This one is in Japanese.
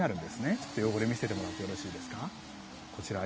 ちょっと汚れを見せてもらってもよろしいですか。